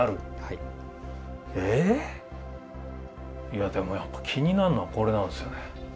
いやでもやっぱ気になるのはこれなんですよね。